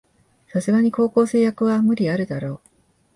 さすがに高校生役は無理あるだろ